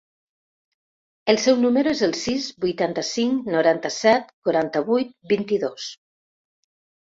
El meu número es el sis, vuitanta-cinc, noranta-set, quaranta-vuit, vint-i-dos.